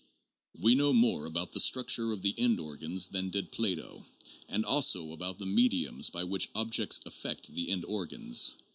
We know more about the structure of the end organs than did Plato, and also about the mediums by which objects affect the end organs.